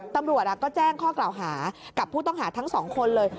ตำรวจก็แจ้งข้อกล่าวหากับผู้ต้องหาทั้งสองคนเลย